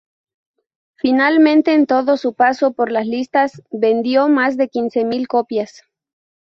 Finalmente en todo su paso por las listas vendió más de quince mil copias.